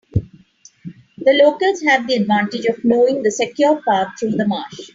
The locals had the advantage of knowing the secure path through the marsh.